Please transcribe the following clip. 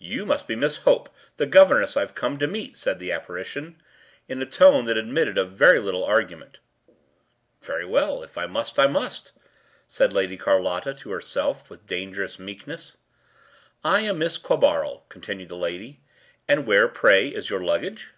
“You must be Miss Hope, the governess I’ve come to meet,” said the apparition, in a tone that admitted of very little argument. “Very well, if I must I must,” said Lady Carlotta to herself with dangerous meekness. “I am Mrs. Quabarl,” continued the lady; “and where, pray, is your luggage?